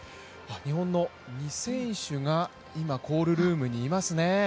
日本の２選手がコールルームにいますね。